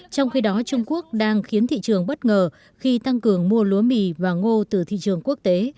trong khi đó trung quốc đang khiến thị trường bất ngờ khi tăng cường mua lúa mì và ngô từ thị trường quốc tế